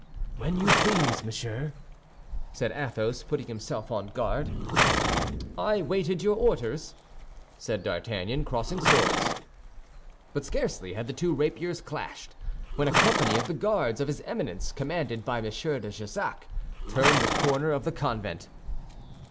"When you please, monsieur," said Athos, putting himself on guard. "I waited your orders," said D'Artagnan, crossing swords. But scarcely had the two rapiers clashed, when a company of the Guards of his Eminence, commanded by M. de Jussac, turned the corner of the convent.